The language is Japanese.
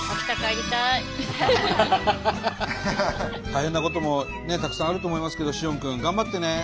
大変なこともたくさんあると思いますけど詩音君頑張ってね。